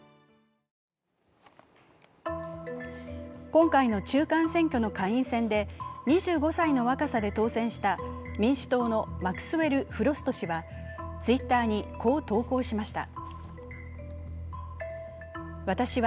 今回の中間選挙の下院選で２５歳の若さで当選した民主党のマクスウェル・フロスト氏はＴｗｉｔｔｅｒにこう投稿しました。